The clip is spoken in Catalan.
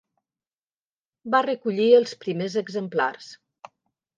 Va recollir els primers exemplars.